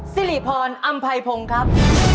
สิริพรอำไพพงศ์ครับ